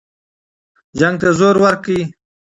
جنګ ته زور ورکړه.